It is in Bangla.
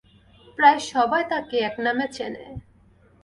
প্রায় সবাই তাকে একনামে চেনে।